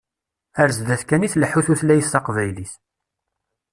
Ar zdat kan i tleḥḥu tutlayt taqbaylit.